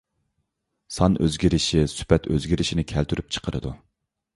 سان ئۆزگىرىشى سۈپەت ئۆزگىرىشىنى كەلتۈرۈپ چىقىرىدۇ.